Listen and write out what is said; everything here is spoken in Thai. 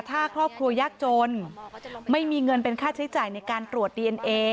ถ้าครอบครัวยากจนไม่มีเงินเป็นค่าใช้จ่ายในการตรวจดีเอนเอ